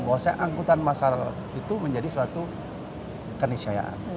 bahwa saya angkutan masalah itu menjadi suatu kenisayaan